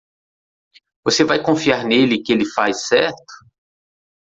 Você vai confiar nele que ele faz certo?